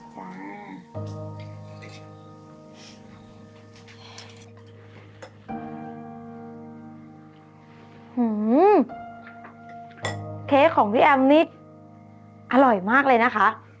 เค้กของพี่แอมนี่อร่อยมากเลยนะคะ